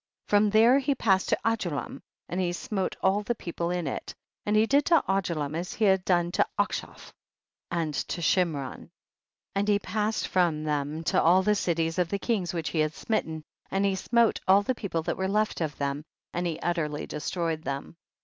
47. From there he passed to Adu 1am and he smote all the people in it, and he did to Adulam as he had done to Achshaph and to Shimron. 48. And he passed from them to all the cities of the kings which he had smitten, and he smote all the people that were left of them and he utterly destroyed them.